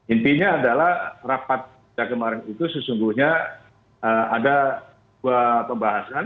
intinya adalah rapat kemarin itu sesungguhnya ada dua pembahasan